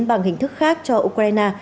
bằng hình thức khác cho ukraine